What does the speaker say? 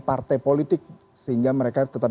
partai politik sehingga mereka tetap